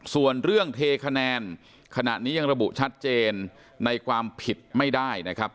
ส่วนเรื่องเทคะแนนขณะนี้ยังระบุชัดเจนในความผิดไม่ได้นะครับ